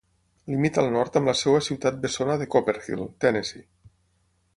Limita al nord amb la seva ciutat bessona de Copperhill, Tennessee.